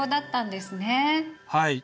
はい。